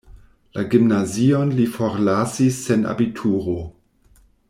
La gimnazion li forlasis sen abituro.